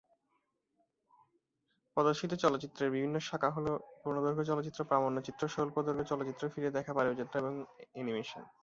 প্রদর্শিত চলচ্চিত্রের বিভিন্ন শাখা হল পূর্ণদৈর্ঘ্য চলচ্চিত্র, প্রামাণ্যচিত্র, স্বল্পদৈর্ঘ্য চলচ্চিত্র, ফিরে দেখা, পারিবারিক চলচ্চিত্র এবং অ্যানিমেশন।